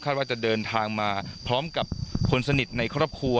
ว่าจะเดินทางมาพร้อมกับคนสนิทในครอบครัว